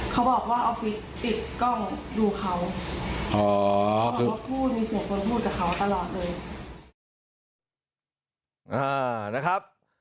เขาบอกว่าออฟฟิศติดกล้องดูเขา